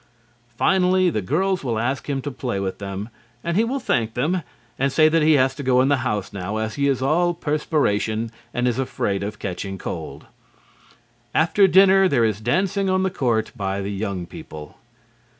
Finally, the girls will ask him to play with them, and he will thank them and say that he has to go in the house now as he is all perspiration and is afraid of catching cold. After dinner there is dancing on the court by the young people.